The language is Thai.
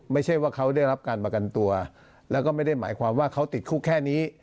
ไม่ใช่ว่าเขาได้รับการประกันตัวแล้วก็ไม่ได้หมายความว่าเขาติดคุกแค่นี้